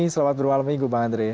selamat berwawal minggu mbak andre